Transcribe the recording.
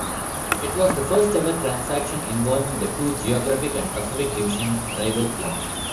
It was the first-ever transaction involving the two geographic- and Pacific Division-rival clubs.